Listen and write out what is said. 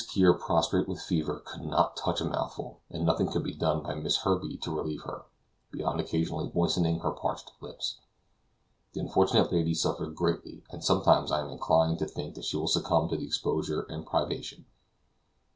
Kear prostrate with fever, could not touch a mouthful; and nothing could be done by Miss Herbey to relieve her, beyond occasionally moistening her parched lips. The unfortunate lady suffers greatly, and sometimes I am inclined to think that she will succumb to the exposure and privation.